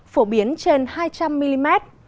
phổ biến trên hai trăm linh mm